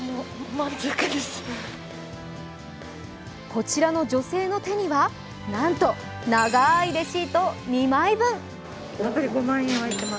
こちらの女性の手には、なんと長いレシート２枚分。